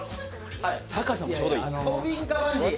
高さもちょうどいい。